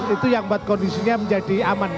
itu yang buat kondisinya menjadi aman kan